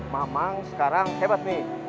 mamang sekarang hebat nih